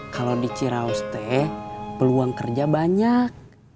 kalau di ciraos teh peluang kerja banyak